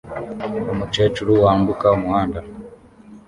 Umukecuru wambuka umuhanda